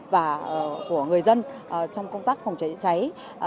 và của người dân trong công tác phòng cháy chữa cháy